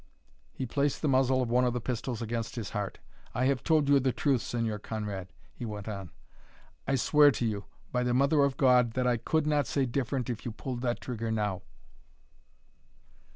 He placed the muzzle of one of the pistols against his heart. "I have told you the truth, Señor Conrad," he went on. "I swear to you, by the Mother of God, that I could not say different if you pulled that trigger now."